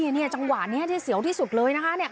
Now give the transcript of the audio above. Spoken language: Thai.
นี่จังหวะนี้ที่เสียวที่สุดเลยนะคะ